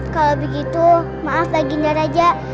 kalau begitu maaf lagi nja raja